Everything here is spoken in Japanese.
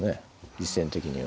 実戦的には。